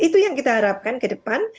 itu yang kita harapkan ke depan